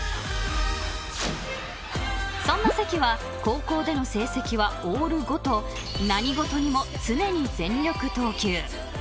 ［そんな関は高校での成績はオール５と何事にも常に全力投球］